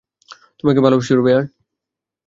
তোমাকে ভালোবাসি, রোবেয়ার।